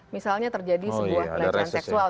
misalnya terjadi sebuah pelecehan seksual